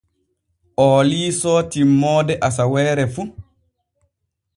Oo liisoo timmoode asaweere fu.